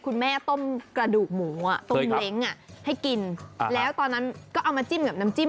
คุณแม่ต้มกระดูกหมูอ่ะต้มเล้งให้กินแล้วตอนนั้นก็เอามาจิ้มกับน้ำจิ้ม